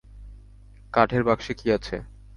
কাঠের বাক্সে কী আছে?